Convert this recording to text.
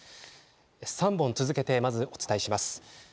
３本続けてまず、お伝えします。